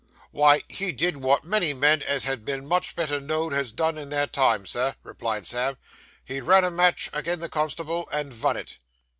'Wy, he did wot many men as has been much better know'd has done in their time, Sir,' replied Sam, 'he run a match agin the constable, and vun it.